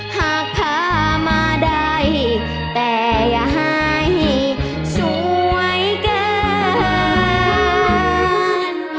หากพามาได้แต่อย่าให้สวยเกิน